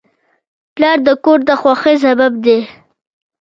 پلار د کور د خوښۍ سبب دی.